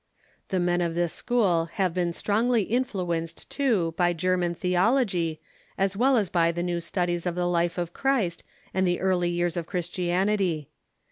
The men of this school have been strongly influ enced, too, by German theology, as well as by the new studies 356 THE MODERN CHURCH of the life of Christ and the early years of Christianity.